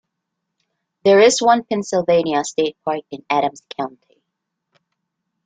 There is one Pennsylvania state park in Adams County.